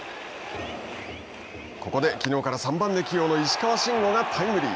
ここできのうから３番で起用の石川慎吾がタイムリー。